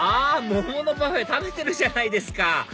桃のパフェ食べてるじゃないですか